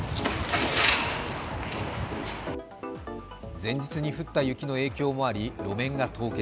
前日に降った雪の影響もあり、路面が凍結。